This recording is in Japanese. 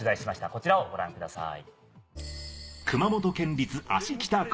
こちらをご覧ください。